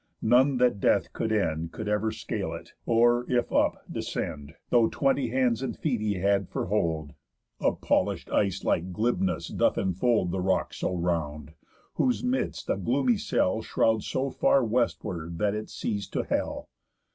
None that death could end Could ever scale it, or, if up, descend, Though twenty hands and feet he had for hold, A polish'd ice like glibness doth enfold The rock so round, whose midst a gloomy cell Shrouds so far westward that it sees to hell.